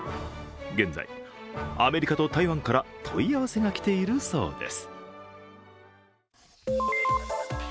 現在、アメリカと台湾から問い合わせが来ているそうです。